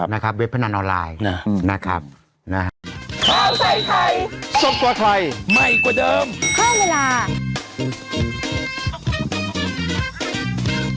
นะครับเว็บพนันออนไลน์นะครับ